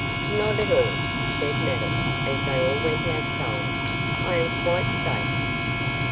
'Not at all,' said Madame, as they all went outside; 'I am quite safe.